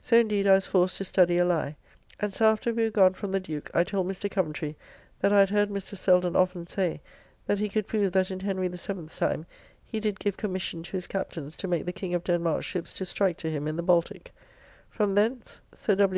So indeed I was forced to study a lie, and so after we were gone from the Duke, I told Mr. Coventry that I had heard Mr. Selden often say, that he could prove that in Henry the 7th's time, he did give commission to his captains to make the King of Denmark's ships to strike to him in the Baltique. From thence Sir W.